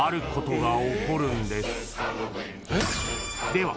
［では］